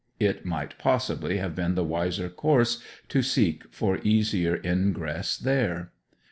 It might possibly have been the wiser course to seek for easier ingress there.